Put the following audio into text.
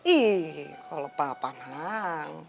ih kalau papa mang